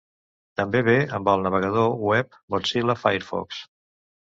També ve amb el navegador web Mozilla Firefox.